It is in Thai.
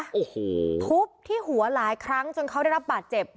โอ้โหทุบที่หัวหลายครั้งจนเขาได้รับบาดเจ็บ